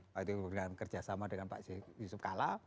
waktu itu dengan kerjasama dengan pak yusuf kala